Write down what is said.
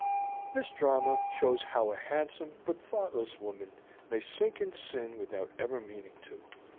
] This drama shows how a handsome but thoughtless woman may sink in sin without ever meaning to.